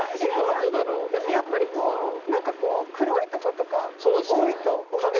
でもやっぱりこうなんかこう黒いとことか多いと思いません？